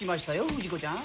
不二子ちゃん。